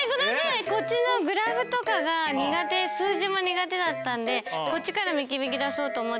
こっちのグラフとかが苦手数字も苦手だったんでこっちから導き出そうと思って。